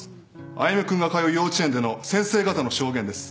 歩君が通う幼稚園での先生方の証言です。